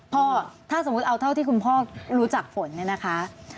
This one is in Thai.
พ่อถ้าสมมุติเอาเท่าที่คุณพ่อรู้จักฝนเนี่ยนะคะ